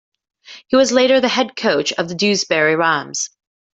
He was later the head coach of the Dewsbury Rams.